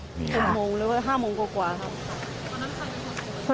ผมยังอยากรู้ว่าว่ามันไล่ยิงคนทำไมวะ